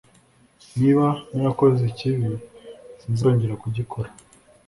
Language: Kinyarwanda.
niba narakoze ikibi sinzongera kugikora’